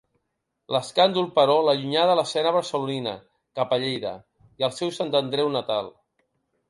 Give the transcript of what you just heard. L'escàndol, però, l'allunyà de l'escena barcelonina, cap a Lleida i el seu Sant Andreu natal.